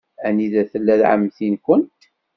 Anida tella ɛemmti-nwent?